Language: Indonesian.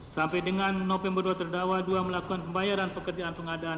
sampai dengan november dua terdakwa dua melakukan pembayaran pekerjaan pengadaan